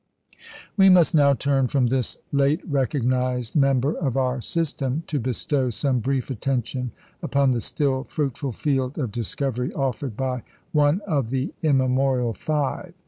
We must now turn from this late recognised member of our system to bestow some brief attention upon the still fruitful field of discovery offered by one of the immemorial five.